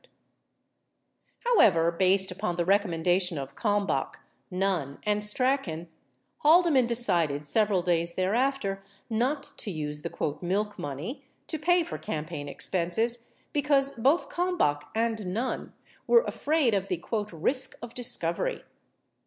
19 However, based upon the recommendation of Kalmbach, Nunn, and Strachan, Haldeman decided several days thereafter not to use the "milk money" to pay for campaign expenses, because both Kalmbach and Nunn were afraid of the "risk of discovery."